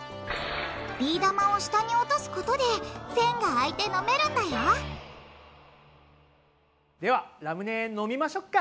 ビー玉を下に落とすことでせんが開いて飲めるんだよではラムネ飲みましょうか！